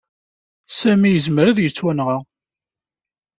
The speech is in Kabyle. Sami yezmer ad yettwanɣa.